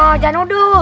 ah jangan noduh